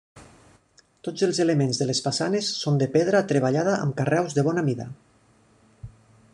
Tots els elements de les façanes són de pedra treballada amb carreus de bona mida.